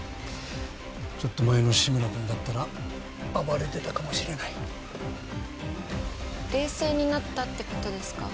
ちょっと前の志村君だったら暴れてたかもしれない冷静になったってことですか？